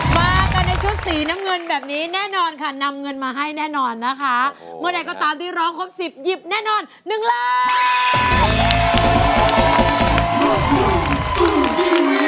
มากันในชุดสีน้ำเงินแบบนี้แน่นอนค่ะนำเงินมาให้แน่นอนนะคะเมื่อใดก็ตามที่ร้องครบสิบหยิบแน่นอนหนึ่งล้าน